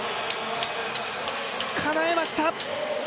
かなえました！